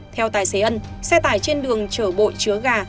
theo tài xế ân xe tải trên đường chở bội chứa gà